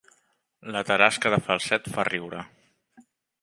La tarasca de Falset fa riure